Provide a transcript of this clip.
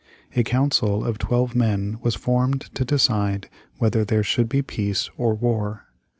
A council of twelve men was formed to decide whether there should be peace or war.